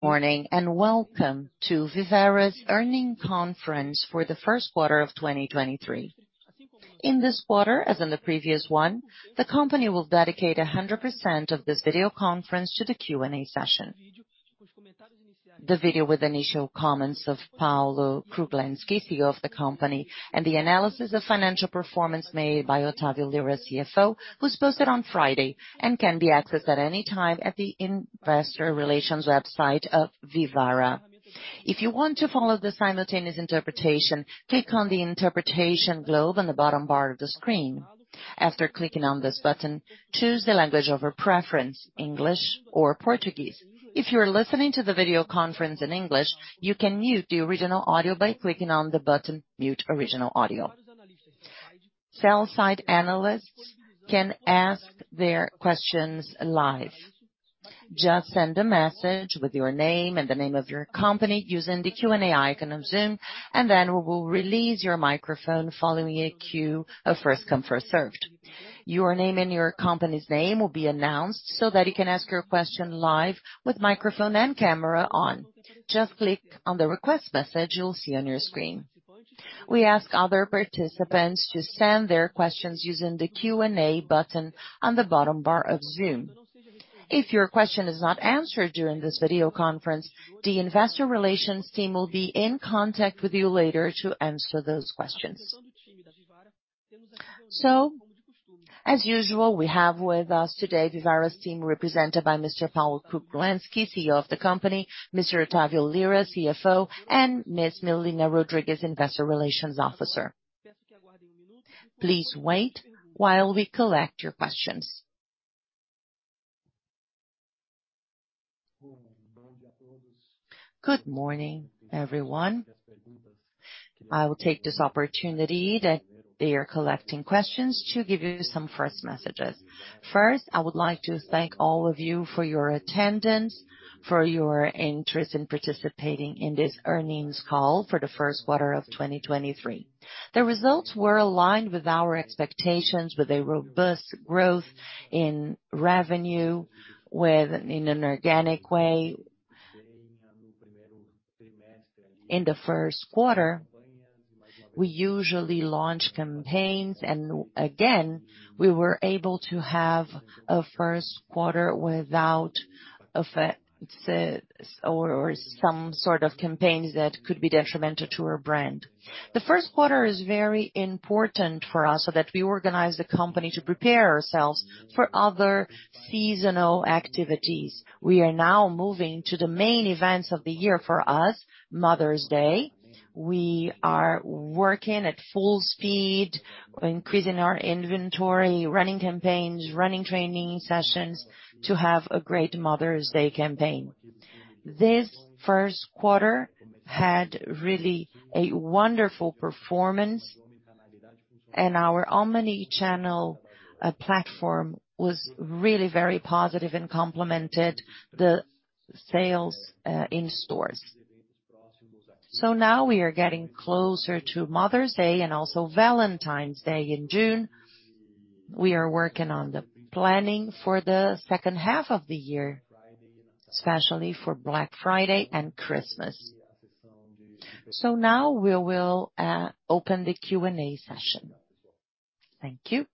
Morning. Welcome to Vivara's earnings conference for the first quarter of 2023. In this quarter, as in the previous one, the company will dedicate 100% of this video conference to the Q&A session. The video with initial comments of Paulo Kruglensky, CEO of the company, and the analysis of financial performance made by Otavio Lyra, CFO, was posted on Friday and can be accessed at any time at the investor relations website of Vivara. If you want to follow the simultaneous interpretation, click on the interpretation globe on the bottom bar of the screen. After clicking on this button, choose the language of your preference, English or Portuguese. If you are listening to the video conference in English, you can mute the original audio by clicking on the button, Mute Original Audio. Sell-side analysts can ask their questions live. Just send a message with your name and the name of your company using the Q&A icon of Zoom, and then we will release your microphone following a queue of first come, first served. Your name and your company's name will be announced so that you can ask your question live with microphone and camera on. Just click on the request message you'll see on your screen. We ask other participants to send their questions using the Q&A button on the bottom bar of Zoom. If your question is not answered during this video conference, the investor relations team will be in contact with you later to answer those questions. As usual, we have with us today Vivara's team, represented by Mr. Paulo Kruglensky, CEO of the company, Mr. Otavio Lyra, CFO, and Ms. Melina Rodrigues, investor relations officer. Please wait while we collect your questions. Good morning, everyone. I will take this opportunity that they are collecting questions to give you some first messages. First, I would like to thank all of you for your attendance, for your interest in participating in this earnings call for the first quarter of 2023. The results were aligned with our expectations, with a robust growth in revenue in an organic way. Again, we were able to have a first quarter without effects or some sort of campaigns that could be detrimental to our brand. The first quarter is very important for us so that we organize the company to prepare ourselves for other seasonal activities. We are now moving to the main events of the year for us, Mother's Day. We are working at full speed, increasing our inventory, running campaigns, running training sessions to have a great Mother's Day campaign. This first quarter had really a wonderful performance, and our omni-channel platform was really very positive and complemented the sales in stores. We are getting closer to Mother's Day and also Valentine's Day in June. We are working on the planning for the second half of the year, especially for Black Friday and Christmas. We will open the Q&A session. Thank you.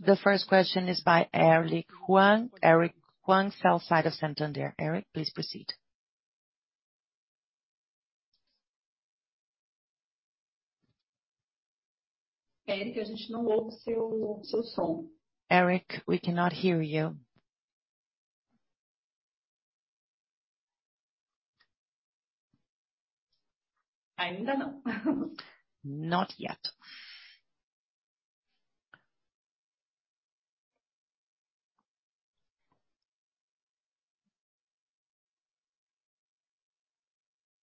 The first question is by Eric Huang. Eric Huang, sell side of Santander. Eric, please proceed. Eric, we cannot hear you. Not yet.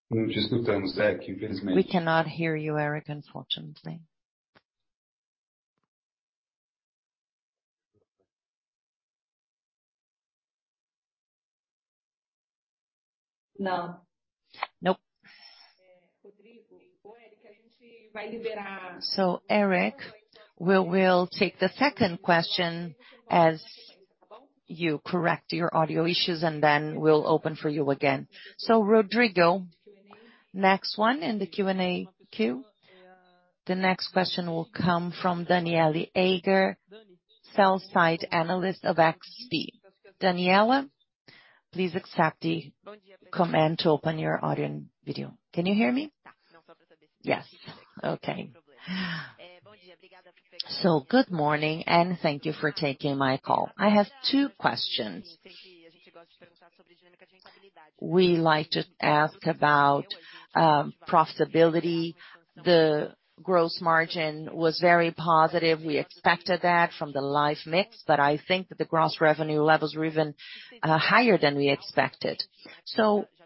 We cannot hear you, Eric, unfortunately. No. Eric, we will take the second question as you correct your audio issues, and then we'll open for you again. Rodrigo, next one in the Q&A queue. The next question will come from Daniela Eger, sell-side analyst of XP. Daniela, please accept the command to open your audio and video. Can you hear me? Yes. Okay. Good morning, and thank you for taking my call. I have two questions. We like to ask about profitability. The gross margin was very positive. We expected that from the Life mix, but I think that the gross revenue levels were even higher than we expected.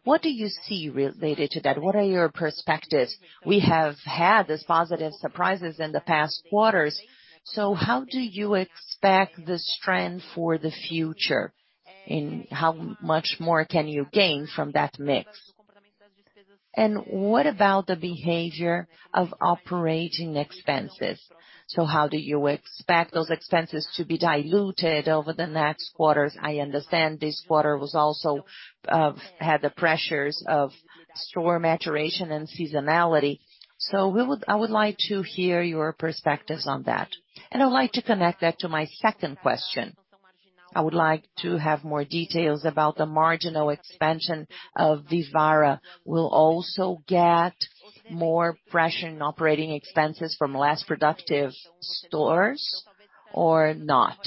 What do you see related to that? What are your perspectives? We have had these positive surprises in the past quarters, so how do you expect this trend for the future? How much more can you gain from that mix? And what about the behavior of operating expenses? How do you expect those expenses to be diluted over the next quarters? I understand this quarter was also had the pressures of store maturation and seasonality. I would like to hear your perspectives on that. I would like to connect that to my second question. I would like to have more details about the marginal expansion of Vivara. Will also get more fresh in operating expenses from less productive stores or not?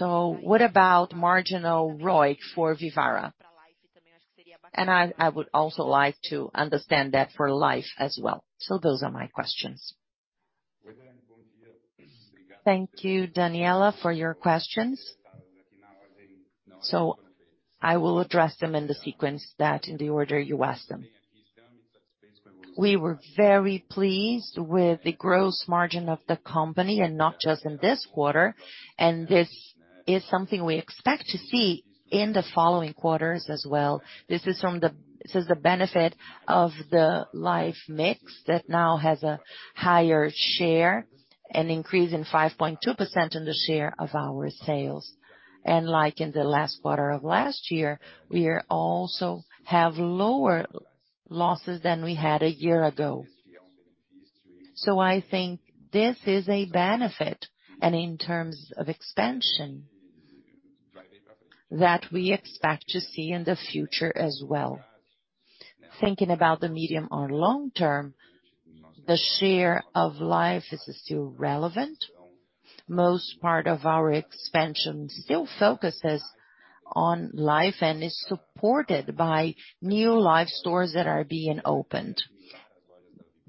What about marginal ROIC for Vivara? I would also like to understand that for Life as well. Those are my questions. Thank you, Daniela, for your questions. I will address them in the sequence that in the order you asked them. We were very pleased with the gross margin of the company, and not just in this quarter. This is something we expect to see in the following quarters as well. This is the benefit of the Life mix that now has a higher share, an increase in 5.2% in the share of our sales. Like in the last quarter of last year, we are also have lower losses than we had a year ago. I think this is a benefit, and in terms of expansion that we expect to see in the future as well. Thinking about the medium or long-term, the share of Life is still relevant. Most part of our expansion still focuses on Life and is supported by new Life stores that are being opened.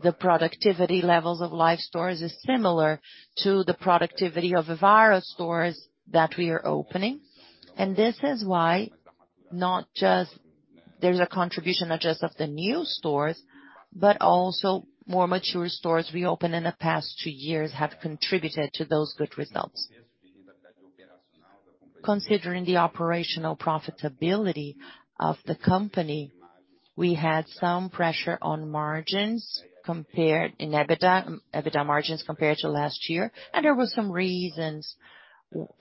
The productivity levels of Life stores is similar to the productivity of Vivara stores that we are opening, this is why there's a contribution not just of the new stores, but also more mature stores we opened in the past two years have contributed to those good results. Considering the operational profitability of the company, we had some pressure on margins in EBITDA margins compared to last year, there were some reasons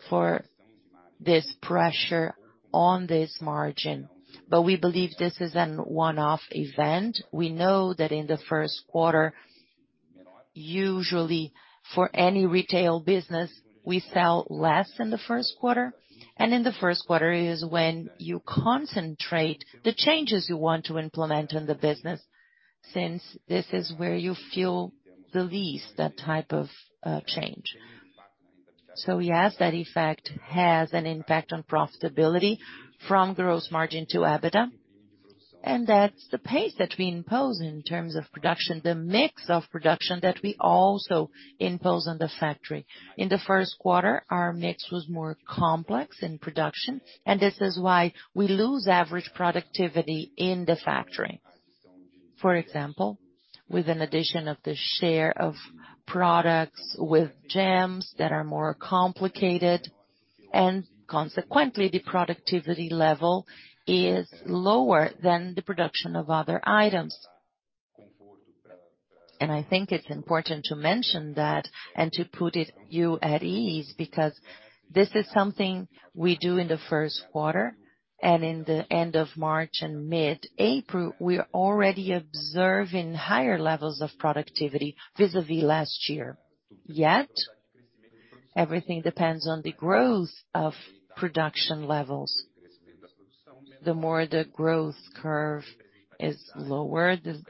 for this pressure on this margin. We believe this is an one-off event. We know that in the first quarter, usually for any retail business, we sell less in the first quarter, in the first quarter is when you concentrate the changes you want to implement in the business since this is where you feel the least that type of change. Yes, that effect has an impact on profitability from gross margin to EBITDA, and that's the pace that we impose in terms of production, the mix of production that we also impose on the factory. In the first quarter, our mix was more complex in production, and this is why we lose average productivity in the factory. For example, with an addition of the share of products with gems that are more complicated, and consequently, the productivity level is lower than the production of other items. I think it's important to mention that and to put it you at ease because this is something we do in the first quarter. In the end of March and mid-April, we are already observing higher levels of productivity vis-à-vis last year. Everything depends on the growth of production levels. The more the growth curve is lower, the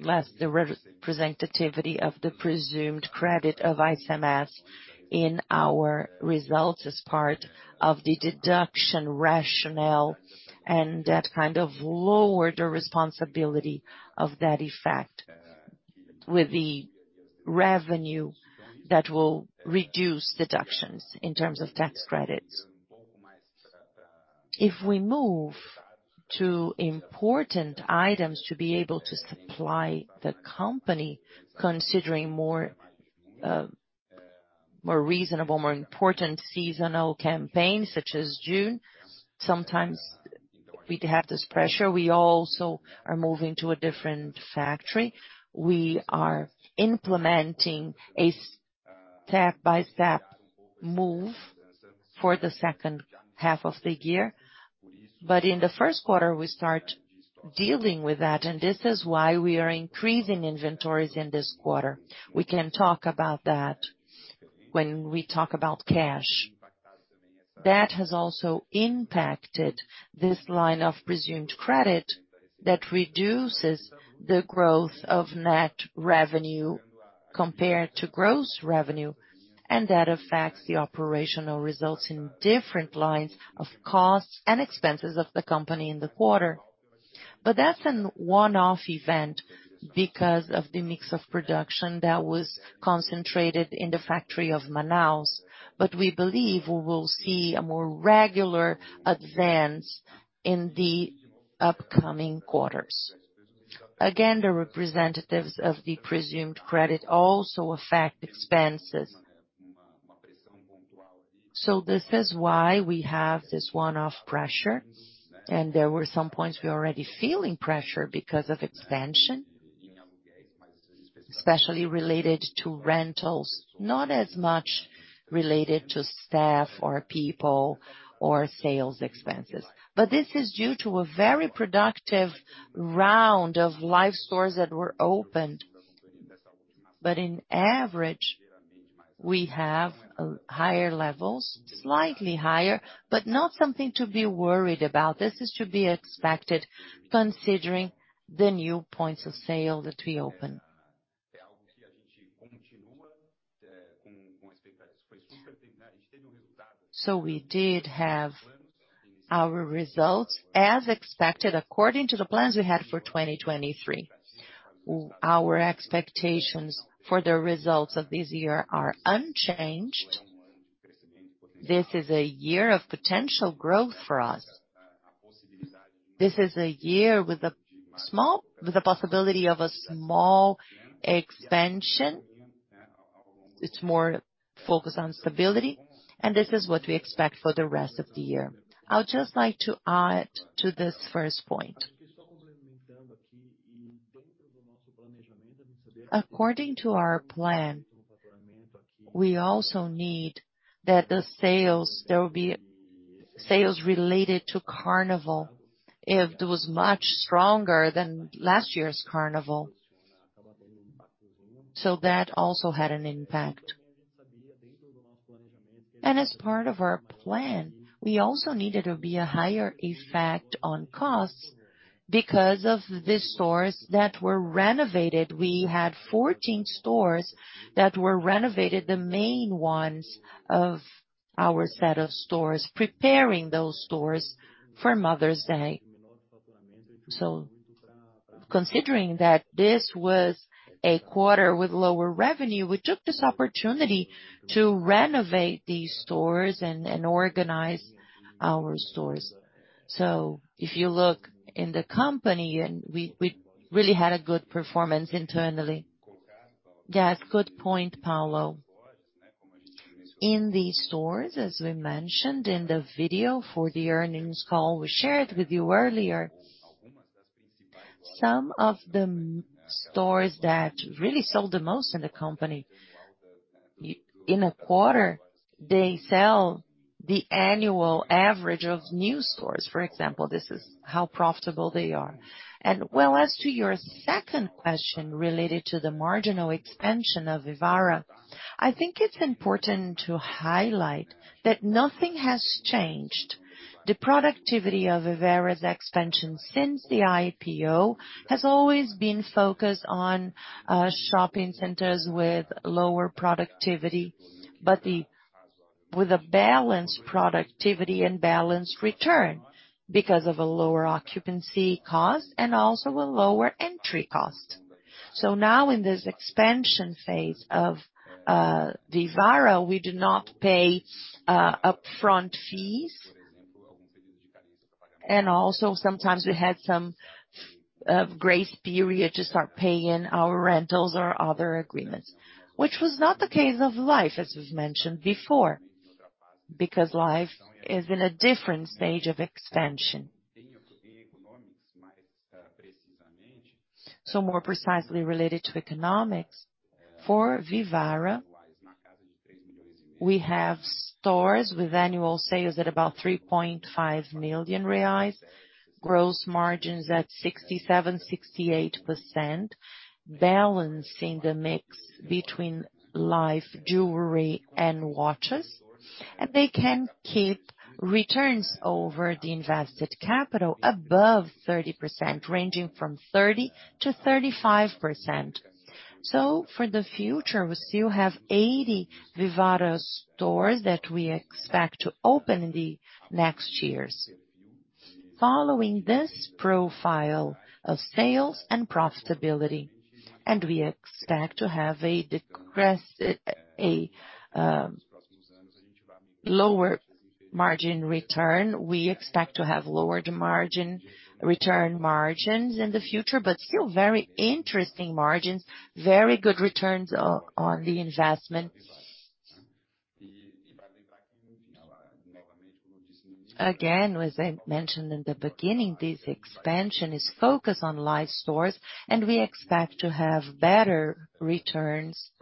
less the re-representativity of the presumed credit of ICMS in our results as part of the deduction rationale, that kind of lower the responsibility of that effect with the revenue that will reduce deductions in terms of tax credits. If we move to important items to be able to supply the company considering more, more reasonable, more important seasonal campaigns, such as June, sometimes we have this pressure. We also are moving to a different factory. We are implementing a step-by-step move for the second half of the year. In the first quarter, we start dealing with that, and this is why we are increasing inventories in this quarter. We can talk about that when we talk about cash. That has also impacted this line of presumed credit that reduces the growth of net revenue compared to gross revenue, and that affects the operational results in different lines of costs and expenses of the company in the quarter. That's an one-off event because of the mix of production that was concentrated in the factory of Manaus. We believe we will see a more regular advance in the upcoming quarters. Again, the representatives of the presumed credit also affect expenses. This is why we have this one-off pressure. There were some points we're already feeling pressure because of expansion. Especially related to rentals, not as much related to staff or people or sales expenses. This is due to a very productive round of Life stores that were opened. In average, we have higher levels, slightly higher, but not something to be worried about. This is to be expected considering the new points of sale that we opened. We did have our results as expected according to the plans we had for 2023. Our expectations for the results of this year are unchanged. This is a year of potential growth for us. This is a year with the possibility of a small expansion. It's more focused on stability, and this is what we expect for the rest of the year. I'll just like to add to this first point. According to our plan, we also need that the sales, there will be sales related to Carnival, if it was much stronger than last year's Carnival. That also had an impact. As part of our plan, we also needed to be a higher effect on costs because of the stores that were renovated. We had 14 stores that were renovated, the main ones of our set of stores, preparing those stores for Mother's Day. Considering that this was a quarter with lower revenue, we took this opportunity to renovate these stores and organize our stores. If you look in the company and we really had a good performance internally. Yes, good point, Paulo. In these stores, as we mentioned in the video for the earnings call we shared with you earlier, some of the stores that really sold the most in the company, in a quarter, they sell the annual average of new stores, for example. This is how profitable they are. Well, as to your second question related to the marginal expansion of Vivara, I think it's important to highlight that nothing has changed. The productivity of Vivara's expansion since the IPO has always been focused on shopping centers with lower productivity, but with a balanced productivity and balanced return because of a lower occupancy cost and also a lower entry cost. Now in this expansion phase of Vivara, we do not pay upfront fees. Also, sometimes we had some grace period to start paying our rentals or other agreements, which was not the case of Life, as was mentioned before, because Life is in a different stage of expansion. More precisely related to economics, for Vivara, we have stores with annual sales at about 3.5 million reais, gross margins at 67%, 68%, balancing the mix between life, jewelry and watches. They can keep returns over the invested capital above 30%, ranging from 30%-35%. For the future, we still have 80 Vivara stores that we expect to open in the next years. Following this profile of sales and profitability, and we expect to have lower margin return. We expect to have return margins in the future, but still very interesting margins, very good returns on the investment. Again, as I mentioned in the beginning, this expansion is focused on Life stores, and we expect to have better returns,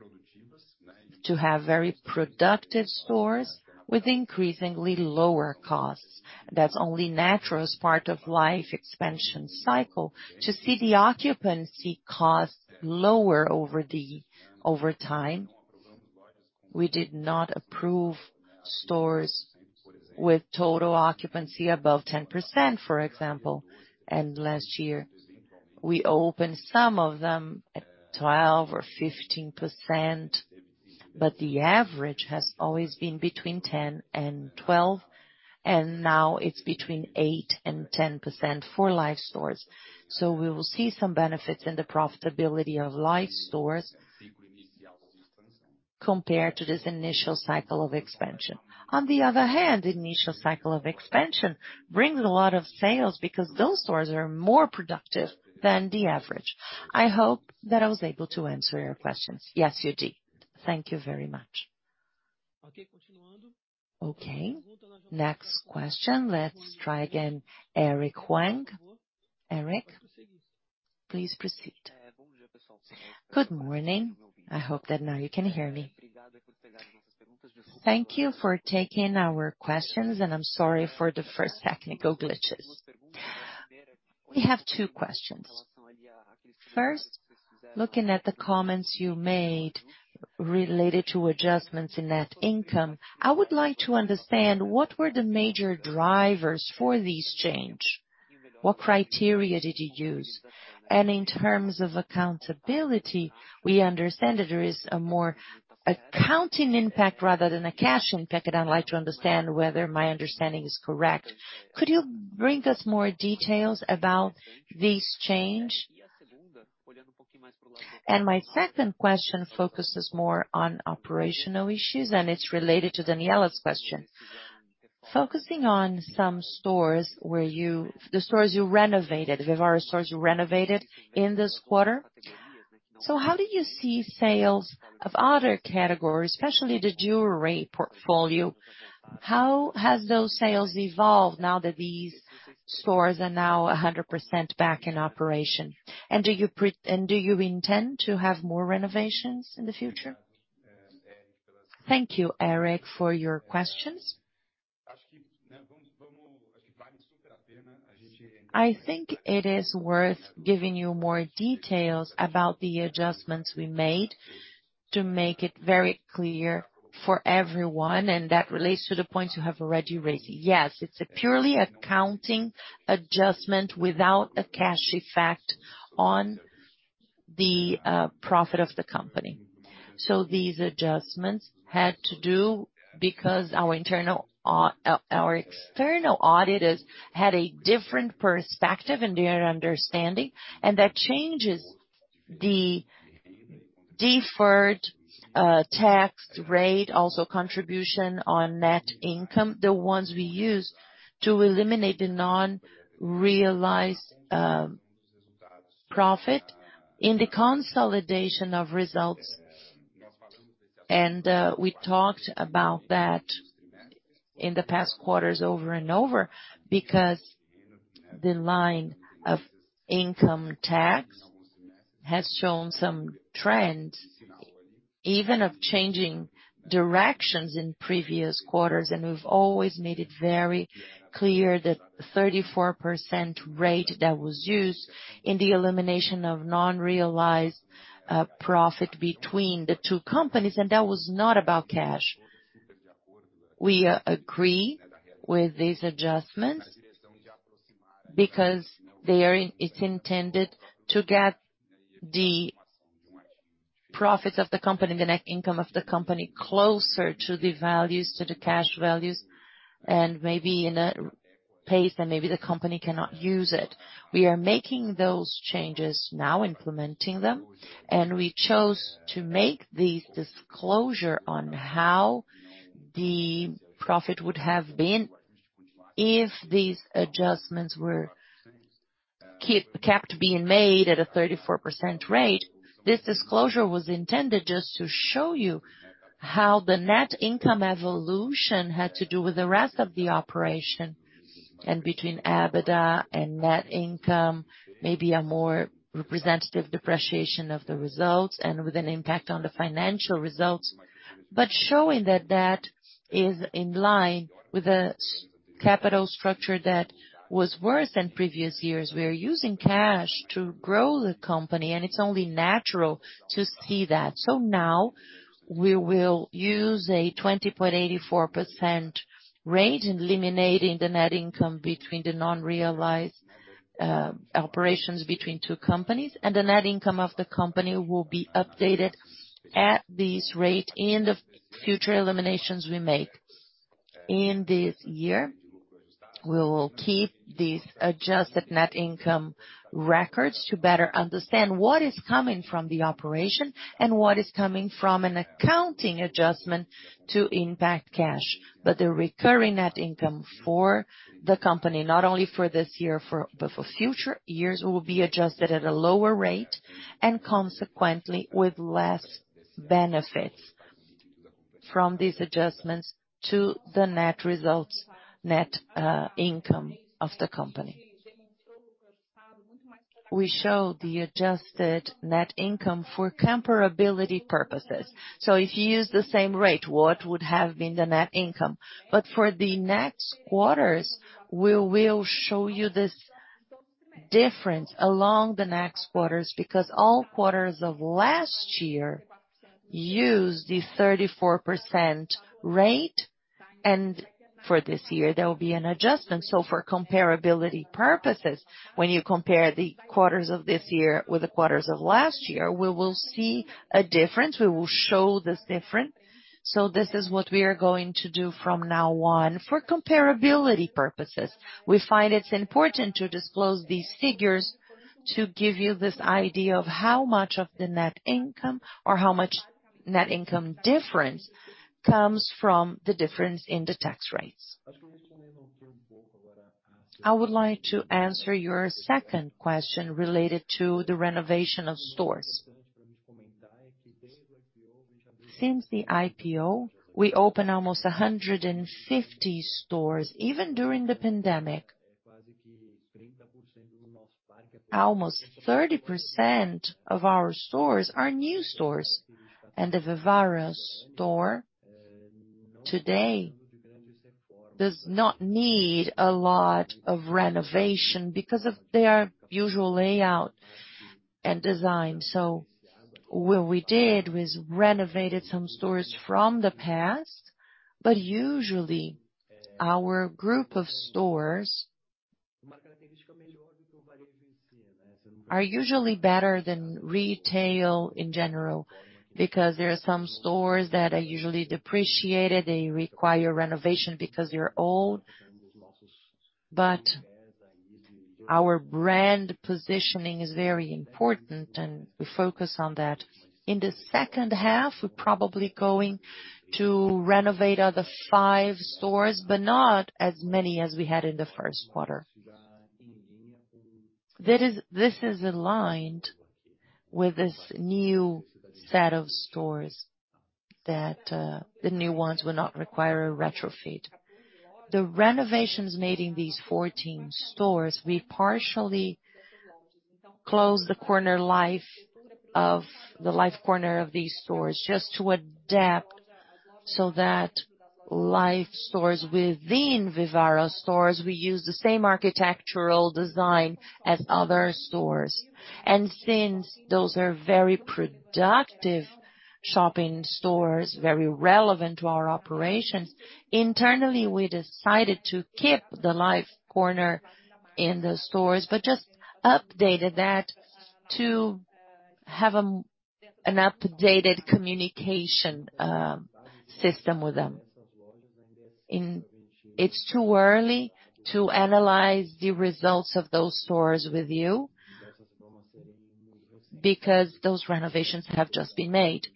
to have very productive stores with increasingly lower costs. That's only natural as part of Life expansion cycle. To see the occupancy costs lower over time, we did not approve stores with total occupancy above 10%, for example. Last year, we opened some of them at 12% or 15%, but the average has always been between 10 and 12, now it's between 8% and 10% for Life stores. We will see some benefits in the profitability of Life stores compared to this initial cycle of expansion. On the other hand, the initial cycle of expansion brings a lot of sales because those stores are more productive than the average. I hope that I was able to answer your questions. Yes, you did. Thank you very much. Okay, next question. Let's try again, Eric Huang. Eric, please proceed. Good morning. I hope that now you can hear me. Thank you for taking our questions, and I'm sorry for the first technical glitches. We have two questions. First, looking at the comments you made related to adjustments in net income, I would like to understand what were the major drivers for this change. What criteria did you use? In terms of accountability, we understand that there is a more accounting impact rather than a cash impact, and I'd like to understand whether my understanding is correct. Could you bring us more details about this change? My second question focuses more on operational issues, and it's related to Daniela's question. Focusing on some stores where the stores you renovated, Vivara stores you renovated in this quarter. How do you see sales of other categories, especially the jewelry portfolio? How has those sales evolved now that these stores are now 100% back in operation? Do you intend to have more renovations in the future? Thank you, Eric, for your questions. I think it is worth giving you more details about the adjustments we made to make it very clear for everyone, and that relates to the point you have already raised. Yes, it's a purely accounting adjustment without a cash effect on the profit of the company. These adjustments had to do because our internal our external auditors had a different perspective and their understanding, and that changes the deferred tax rate, also contribution on net income, the ones we use to eliminate the non-realized profit. In the consolidation of results, we talked about that in the past quarters over and over because the line of income tax has shown some trends, even of changing directions in previous quarters. We've always made it very clear that 34% rate that was used in the elimination of non-realized profit between the two companies. That was not about cash. We agree with these adjustments because they are it's intended to get the profits of the company and the net income of the company closer to the values, to the cash values. Maybe in a pace that maybe the company cannot use it. We are making those changes now, implementing them. We chose to make this disclosure on how the profit would have been if these adjustments were kept being made at a 34% rate. This disclosure was intended just to show you how the net income evolution had to do with the rest of the operation. Between EBITDA and net income, maybe a more representative depreciation of the results and with an impact on the financial results. Showing that that is in line with the capital structure that was worse than previous years. We are using cash to grow the company, and it's only natural to see that. Now we will use a 20.84% rate in eliminating the net income between the non-realized operations between two companies, and the net income of the company will be updated at this rate in the future eliminations we make. In this year, we will keep these adjusted net income records to better understand what is coming from the operation and what is coming from an accounting adjustment to impact cash. The recurring net income for the company, not only for this year, but for future years, will be adjusted at a lower rate and consequently with less benefits from these adjustments to the net results, net income of the company. We show the adjusted net income for comparability purposes. If you use the same rate, what would have been the net income? For the next quarters, we will show you this difference along the next quarters, because all quarters of last year used the 34% rate, and for this year, there will be an adjustment. For comparability purposes, when you compare the quarters of this year with the quarters of last year, we will see a difference. We will show this difference. This is what we are going to do from now on. For comparability purposes, we find it's important to disclose these figures to give you this idea of how much of the net income or how much net income difference comes from the difference in the tax rates. I would like to answer your second question related to the renovation of stores. Since the IPO, we opened almost 150 stores, even during the pandemic. Almost 30% of our stores are new stores, and the Vivara store today does not need a lot of renovation because of their usual layout and design. What we did was renovated some stores from the past, but usually our group of stores are usually better than retail in general because there are some stores that are usually depreciated, they require renovation because they're old. Our brand positioning is very important and we focus on that. In the second half, we're probably going to renovate other five stores, but not as many as we had in the first quarter. This is aligned with this new set of stores that the new ones will not require a retrofit. The renovations made in these 14 stores, we partially close the corner Life the Life corner of these stores just to adapt so that Life stores within Vivara stores, we use the same architectural design as other stores. Since those are very productive shopping stores, very relevant to our operations, internally, we decided to keep the Life corner in the stores, but just updated that to have an updated communication system with them. It's too early to analyze the results of those stores with you because those renovations have just been made.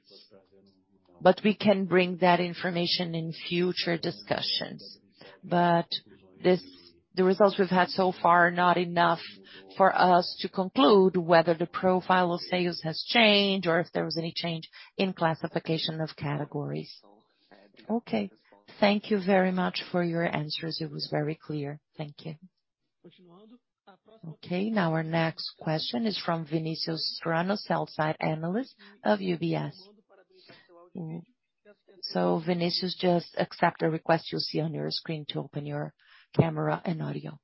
We can bring that information in future discussions. The results we've had so far are not enough for us to conclude whether the profile of sales has changed or if there was any change in classification of categories. Okay. Thank you very much for your answers. It was very clear. Thank you. Our next question is from Vinicius Serrano, sell side analyst of UBS. Vinicius, just accept the request you'll see on your screen to open your camera and audio.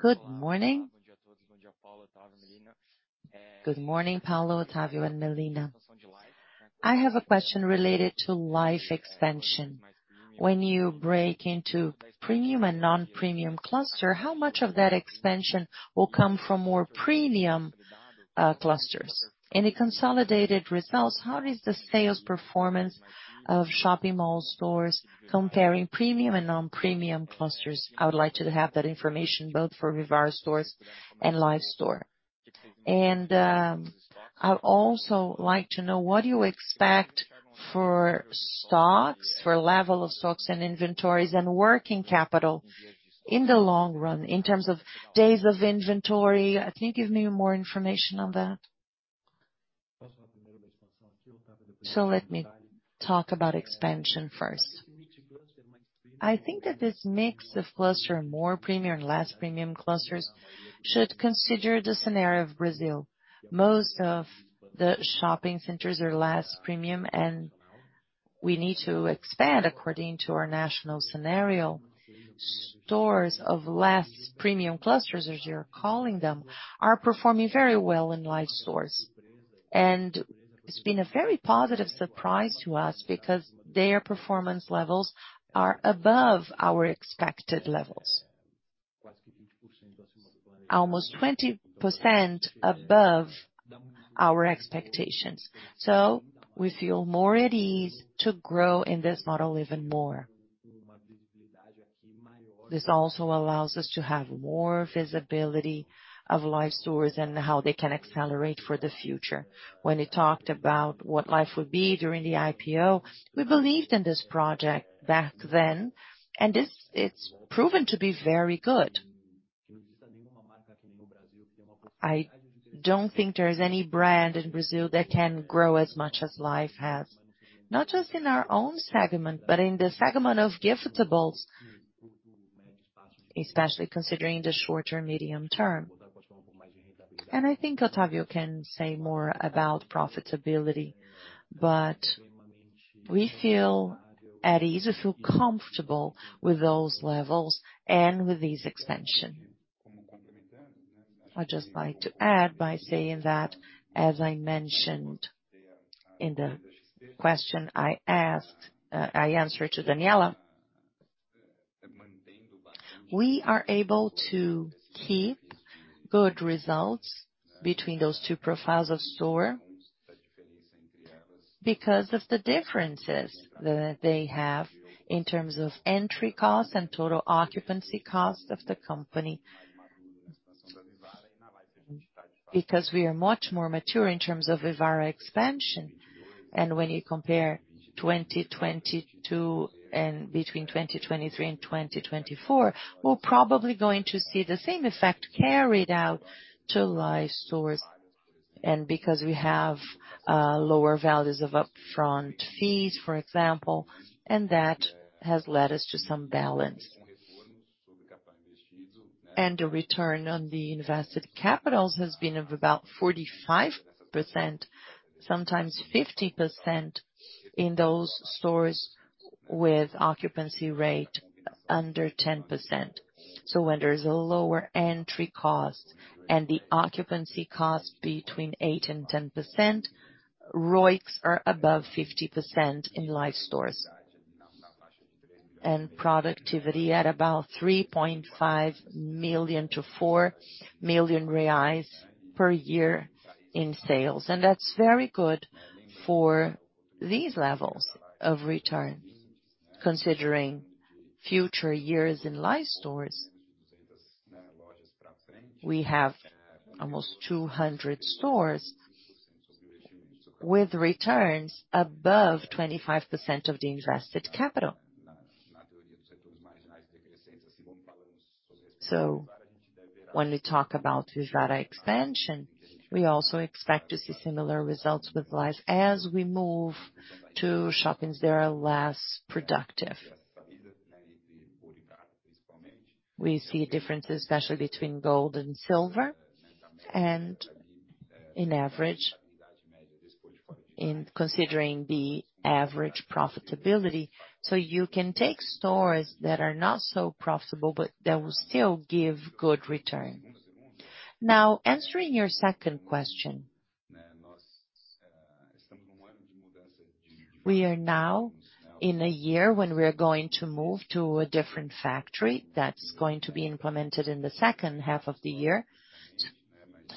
Good morning. Good morning, Paulo, Otavio and Melina. I have a question related to Life expansion. When you break into premium and non-premium cluster, how much of that expansion will come from more premium clusters? In the consolidated results, how does the sales performance of shopping mall stores comparing premium and non-premium clusters? I would like to have that information both for Vivara stores and Life store. I would also like to know what you expect for stocks, for level of stocks and inventories and working capital in the long run in terms of days of inventory. Can you give me more information on that? Let me talk about expansion first. I think that this mix of cluster, more premium, less premium clusters should consider the scenario of Brazil. Most of the shopping centers are less premium, and we need to expand according to our national scenario. Stores of less premium clusters, as you're calling them, are performing very well in Life stores. It's been a very positive surprise to us because their performance levels are above our expected levels. Almost 20% above our expectations. We feel more at ease to grow in this model even more. This also allows us to have more visibility of Life stores and how they can accelerate for the future. When we talked about what Life would be during the IPO, we believed in this project back then, it's proven to be very good. I don't think there is any brand in Brazil that can grow as much as Life has, not just in our own segment, but in the segment of giftables, especially considering the short or medium term. I think Otavio can say more about profitability, but we feel at ease. We feel comfortable with those levels and with this expansion. I'd just like to add by saying that, as I mentioned in the question I asked, I answered to Daniela. We are able to keep good results between those two profiles of store because of the differences that they have in terms of entry cost and total occupancy cost of the company. We are much more mature in terms of Vivara expansion. When you compare 2022 and between 2023 and 2024, we're probably going to see the same effect carried out to Life stores. Because we have lower values of upfront fees, for example, and that has led us to some balance. The return on the invested capitals has been of about 45%, sometimes 50% in those stores with occupancy rate under 10%. When there's a lower entry cost and the occupancy cost between 8% and 10%, ROICs are above 50% in Life stores. Productivity at about 3.5 million-four million reais per year in sales. That's very good for these levels of return considering future years in Life stores. We have almost 200 stores with returns above 25% of the invested capital. When we talk about Vivara expansion, we also expect to see similar results with Life as we move to shoppings that are less productive. We see differences, especially between gold and silver and in average, in considering the average profitability. You can take stores that are not so profitable, but that will still give good return. Now answering your second question. We are now in a year when we are going to move to a different factory that's going to be implemented in the second half of the year.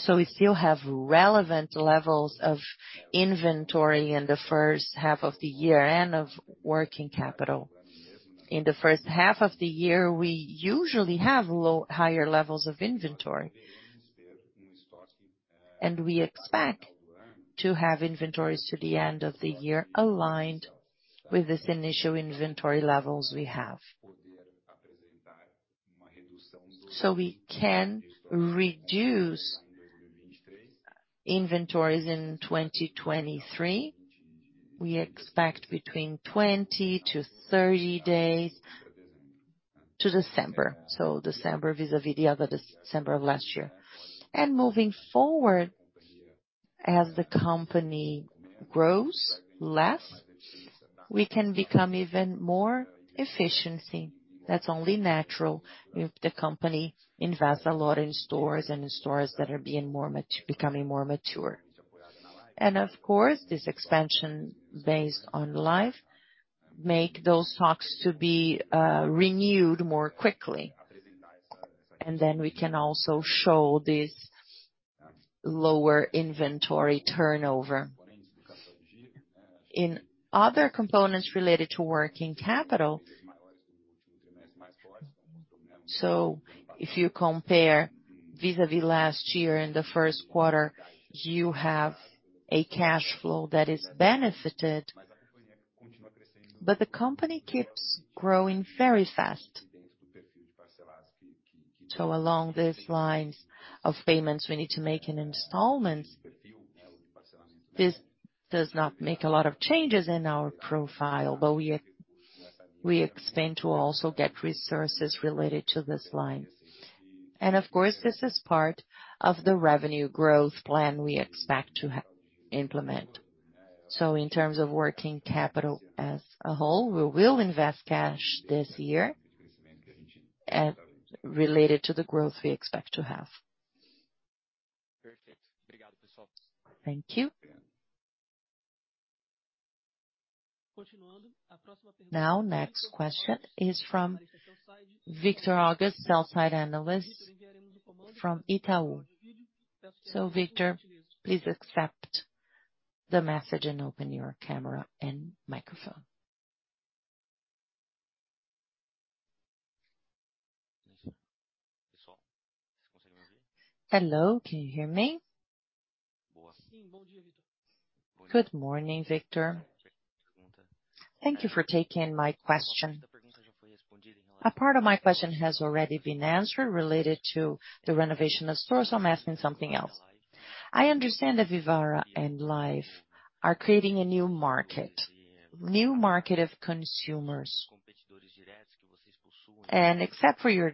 We still have relevant levels of inventory in the first half of the year and of working capital. In the first half of the year, we usually have higher levels of inventory. We expect to have inventories to the end of the year aligned with this initial inventory levels we have. We can reduce inventories in 2023. We expect between 20 to 30 days to December. December vis-a-vis the other December of last year. Moving forward, as the company grows less, we can become even more efficiency. That's only natural if the company invests a lot in stores and in stores that are becoming more mature. Of course, this expansion based on Life make those stocks to be renewed more quickly. Then we can also show this lower inventory turnover. In other components related to working capital, if you compare vis-a-vis last year in the first quarter, you have a cash flow that is benefited, but the company keeps growing very fast. Along these lines of payments, we need to make an installment. This does not make a lot of changes in our profile, but we expect to also get resources related to this line. Of course, this is part of the revenue growth plan we expect to implement. In terms of working capital as a whole, we will invest cash this year related to the growth we expect to have. Perfect. Thank you. Next question is from Victor August, sell side analyst from Itaú. Victor, please accept the message and open your camera and microphone. Hello, can you hear me? Good morning, Victor. Thank you for taking my question. A part of my question has already been answered related to the renovation of stores. I'm asking something else. I understand that Vivara and Life are creating a new market of consumers. Except for your,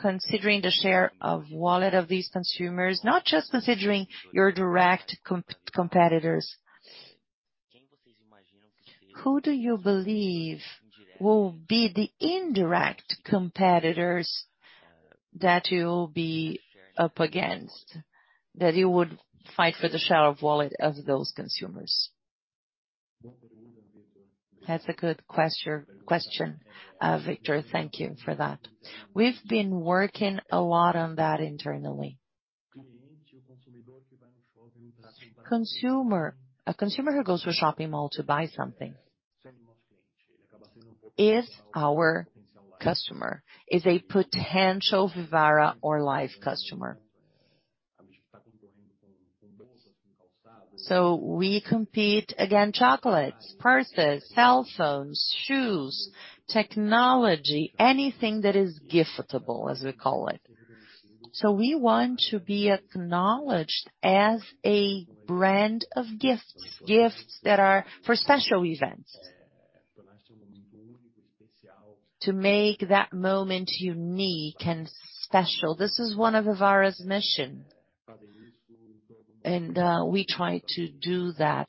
considering the share of wallet of these consumers, not just considering your direct comp-competitors. Who do you believe will be the indirect competitors that you'll be up against, that you would fight for the share of wallet of those consumers? That's a good question, Victor. Thank you for that. We've been working a lot on that internally. Consumer, a consumer who goes to a shopping mall to buy something is our customer, is a potential Vivara or Life customer. We compete against chocolates, purses, cell phones, shoes, technology, anything that is giftable, as we call it. We want to be acknowledged as a brand of gifts that are for special events. To make that moment unique and special. This is one of Vivara's mission. We try to do that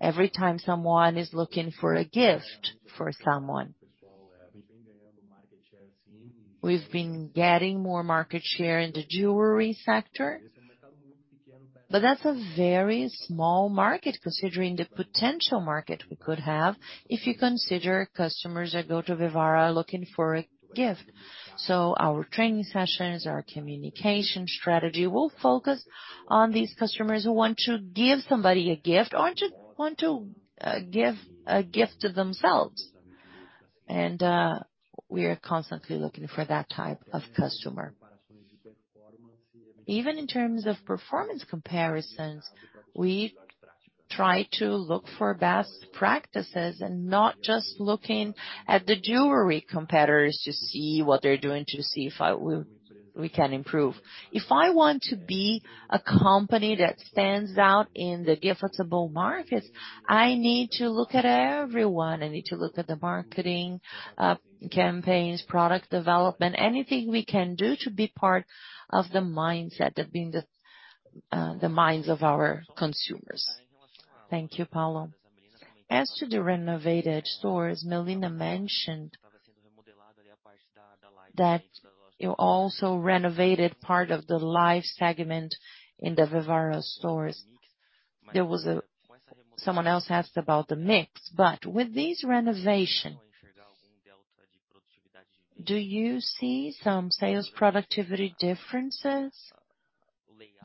every time someone is looking for a gift for someone. We've been getting more market share in the jewelry sector, but that's a very small market considering the potential market we could have if you consider customers that go to Vivara looking for a gift. Our training sessions, our communication strategy will focus on these customers who want to give somebody a gift or want to give a gift to themselves. We are constantly looking for that type of customer. Even in terms of performance comparisons, we try to look for best practices and not just looking at the jewelry competitors to see what they're doing to see if we can improve. If I want to be a company that stands out in the giftable markets, I need to look at everyone. I need to look at the marketing, campaigns, product development, anything we can do to be part of the mindset, that being the minds of our consumers. Thank you, Paulo. As to the renovated stores, Melina mentioned that you also renovated part of the Life segment in the Vivara stores. Someone else asked about the mix, but with this renovation, do you see some sales productivity differences?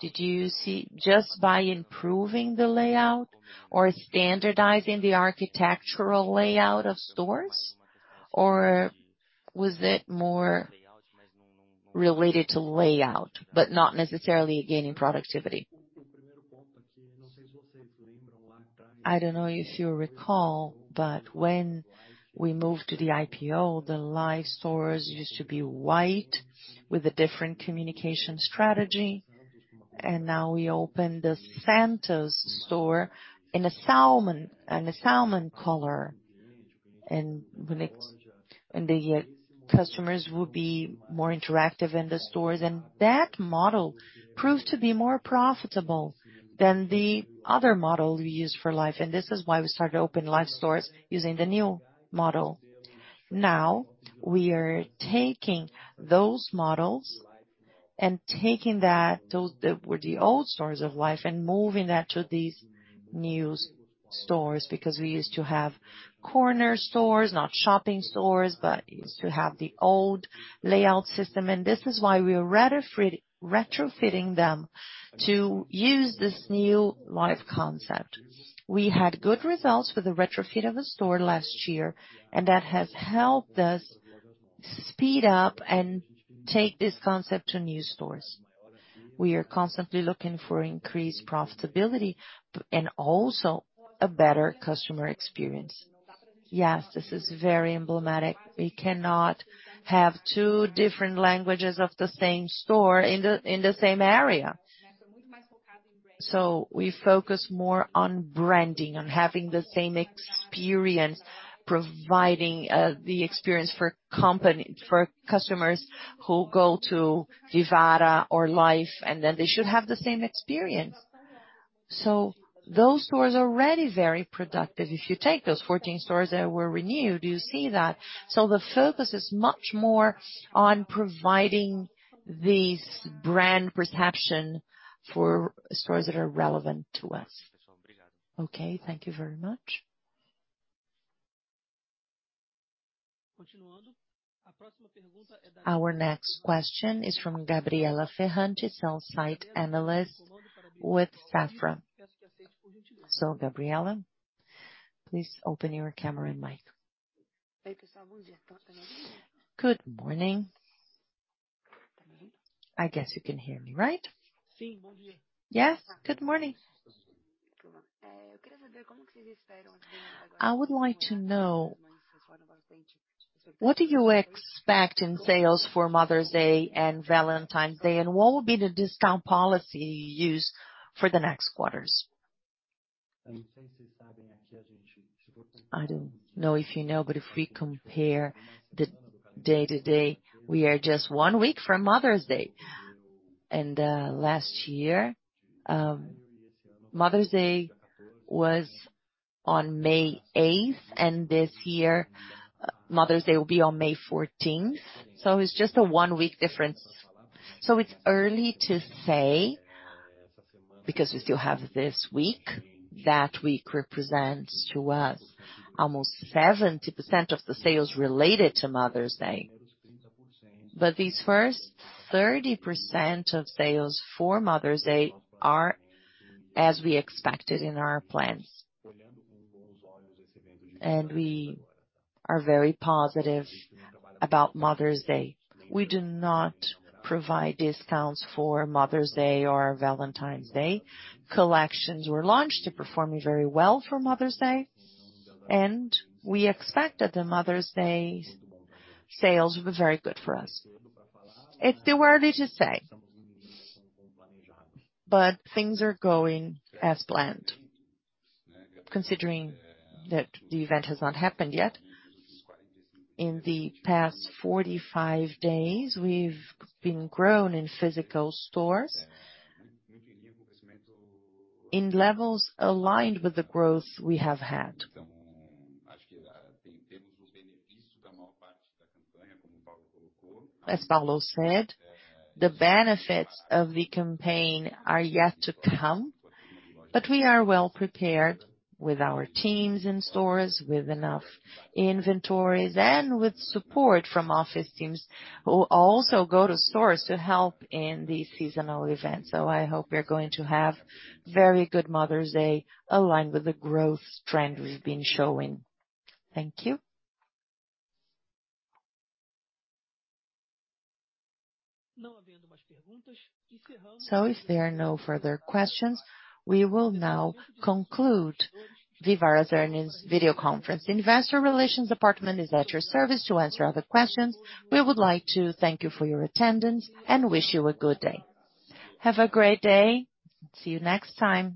Did you see just by improving the layout or standardizing the architectural layout of stores, or was it more related to layout, but not necessarily gaining productivity? I don't know if you recall, but when we moved to the IPO, the Life stores used to be white with a different communication strategy. Now we open the Santos store in a salmon color. When the customers would be more interactive in the stores. That model proved to be more profitable than the other model we used for Life. This is why we started to open Life stores using the new model. We are taking those models and taking those that were the old stores of Life by Vivara and moving that to these new stores because we used to have corner stores, not shopping stores, but we used to have the old layout system. This is why we are retrofitting them to use this new Life by Vivara concept. We had good results with the retrofit of the store last year, and that has helped us speed up and take this concept to new stores. We are constantly looking for increased profitability and also a better customer experience. Yes, this is very emblematic. We cannot have two different languages of the same store in the same area. We focus more on branding, on having the same experience, providing the experience for customers who go to Vivara or Life, and then they should have the same experience. Those stores are already very productive. If you take those 14 stores that were renewed, you see that. The focus is much more on providing this brand perception for stores that are relevant to us. Okay, thank you very much. Our next question is from Gabriela Ferranti, sell-side analyst with Safra. Gabriela, please open your camera and mic. Good morning. I guess you can hear me, right? Yes. Good morning. I would like to know what do you expect in sales for Mother's Day and Valentine's Day, and what will be the discount policy you use for the next quarters? I don't know if you know, but if we compare the day to day, we are just one week from Mother's Day. Last year, Mother's Day was on May 8th, and this year, Mother's Day will be on May 14th. It's just a one-week difference. It's early to say, because we still have this week. That week represents to us almost 70% of the sales related to Mother's Day. These first 30% of sales for Mother's Day are as we expected in our plans. We are very positive about Mother's Day. We do not provide discounts for Mother's Day or Valentine's Day. Collections were launched. They're performing very well for Mother's Day, and we expect that the Mother's Day sales will be very good for us. It's still early to say, things are going as planned, considering that the event has not happened yet. In the past 45 days, we've been grown in physical stores in levels aligned with the growth we have had. As Paulo Kruglensky said, the benefits of the campaign are yet to come, we are well prepared with our teams in stores, with enough inventories, and with support from office teams who also go to stores to help in these seasonal events. I hope we are going to have very good Mother's Day aligned with the growth trend we've been showing. Thank you. If there are no further questions, we will now conclude Vivara's earnings video conference. Investor relations department is at your service to answer other questions. We would like to thank you for your attendance and wish you a good day. Have a great day. See you next time.